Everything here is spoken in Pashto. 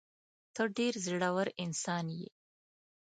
ته ډېر زړه ور انسان یې.